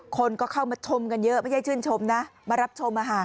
คนก็เข้ามาชมกันเยอะไม่ใช่ชื่นชมนะมารับชม